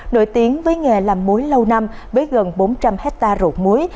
nổi tiếng với nghề làm muối lâu năm với gần bốn trăm linh hectare rượu muối